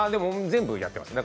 全部やってますよ。